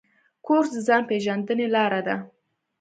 کورس د ځان پېژندنې لاره ده.